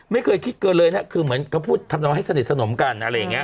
ไม่เคยคิดเกินเลยนะคือเหมือนเขาพูดทำให้สนิทสนมกัน